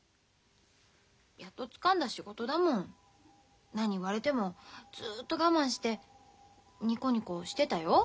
やっとつかんだ仕事だもん何言われてもずっと我慢してニコニコしてたよ。